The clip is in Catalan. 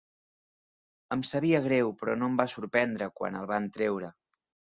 Em sabia greu, però no em va sorprendre quan el van treure.